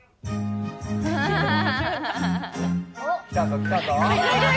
来たぞ来たぞ。